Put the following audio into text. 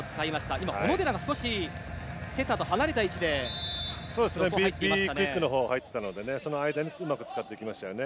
今、小野寺が少しセッターと離れた位置で入っていましたね。